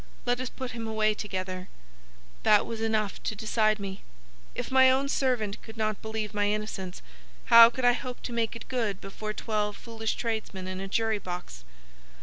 Let us put him away together." That was enough to decide me. If my own servant could not believe my innocence, how could I hope to make it good before twelve foolish tradesmen in a jury box?